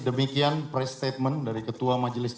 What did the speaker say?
demikian pre statement dari ketua majelis tinggi